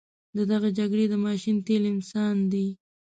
د دغه جګړې د ماشین تیل انسان دی.